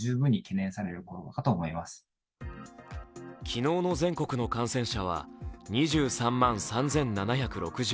昨日の全国の感染者は２３万３７６７人。